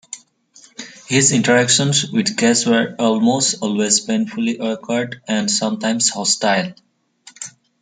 His interactions with guests were almost always painfully awkward, and sometimes hostile.